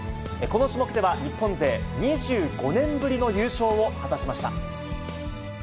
この種目では日本勢２５年ぶりの優勝を果たしました。